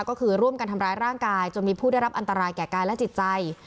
ก็คือร่วมกันทำร้ายร่างกายจนมีผู้ได้รับอันตรายแก่กายและจิตใจ